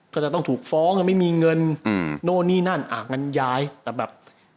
ก็จะต้องถูกฟ้องยังไม่มีเงินอืมโน่นนี่นั่นอ่ะงั้นย้ายแต่แบบ